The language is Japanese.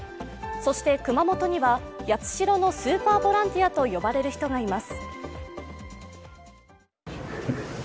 そして熊本には八代のスーパーボランティアと呼ばれる人がいます。